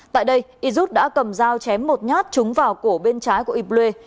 tại đây yirut đã cầm dao chém một nhát trúng vào cổ bên trái của yible